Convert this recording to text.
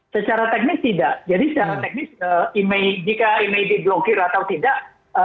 secara teknis tidak jadi secara teknis jika email diblokir atau tidak